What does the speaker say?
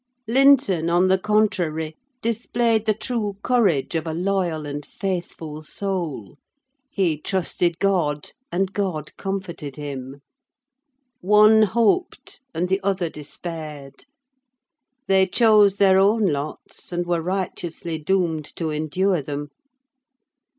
Linton, on the contrary, displayed the true courage of a loyal and faithful soul: he trusted God; and God comforted him. One hoped, and the other despaired: they chose their own lots, and were righteously doomed to endure them.